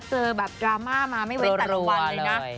เจอแบบดราม่ามาไม่เว้นแต่ละวันเลยนะ